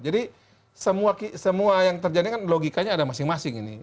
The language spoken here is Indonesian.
jadi semua yang terjadi kan logikanya ada masing masing ini